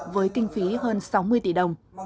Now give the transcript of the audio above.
với kinh phí hơn sáu mươi tỷ đồng